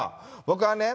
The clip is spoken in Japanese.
僕はね